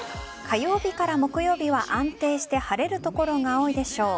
火曜日から木曜日は安定して晴れる所が多いでしょう。